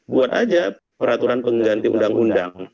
buat aja peraturan pengganti undang undang